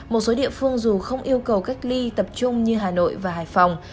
một số địa phương dù không yêu cầu cách ly tập trung như hà nội và hải phòng